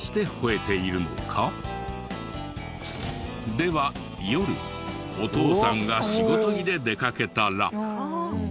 では夜お父さんが仕事着で出かけたら。